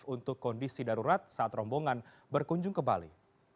untuk kondisi darurat saat rombongan berkunjung ke bali